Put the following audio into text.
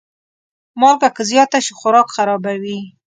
مالګه که زیاته شي، خوراک خرابوي.